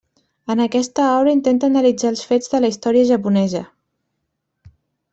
En aquesta obra intenta analitzar els fets de la història japonesa.